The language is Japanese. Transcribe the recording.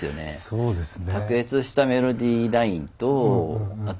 そうですね。